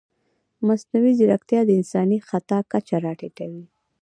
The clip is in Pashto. مصنوعي ځیرکتیا د انساني خطا کچه راټیټوي.